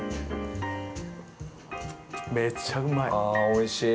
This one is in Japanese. おいしい。